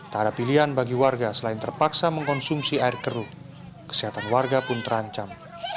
tak ada pilihan bagi warga selain terpaksa mengkonsumsi air keruh kesehatan warga pun terancam